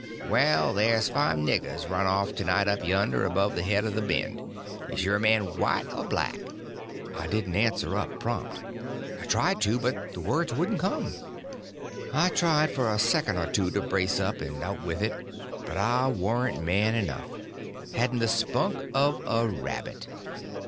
"Well, there's five niggers run off to night up yonder, above the head of the bend. Is your man white or black?" I didn't answer up prompt. I tried to, but the words wouldn't come. I tried for a second or two to brace up and out with it, but I warn't man enough—hadn't the spunk of a rabbit.